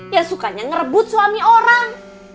ya sukanya ngerebut suami orang